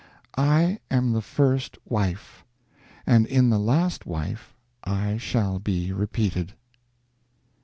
I am the first wife; and in the last wife I shall be repeated.